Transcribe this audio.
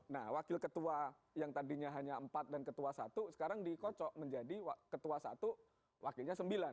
nah wakil ketua yang tadinya hanya empat dan ketua satu sekarang dikocok menjadi ketua satu wakilnya sembilan